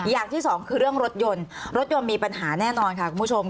อย่างที่สองคือเรื่องรถยนต์รถยนต์มีปัญหาแน่นอนค่ะคุณผู้ชม